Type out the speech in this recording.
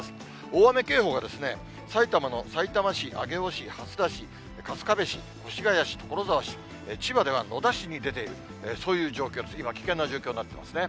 大雨警報が、埼玉のさいたま市、上尾市、蓮田市、春日部市、越谷市、所沢市、千葉では野田市に出ている、そういう状態、今危険な状況になってますね。